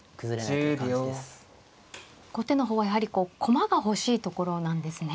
後手の方はやはりこう駒が欲しいところなんですね。